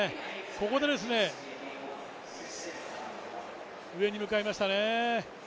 ここで、上に向かいましたね。